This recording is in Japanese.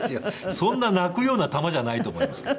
そんな泣くような玉じゃないと思いますけど。